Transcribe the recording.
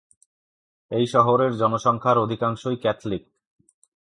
এই শহরের জনসংখ্যার অধিকাংশই ক্যাথলিক।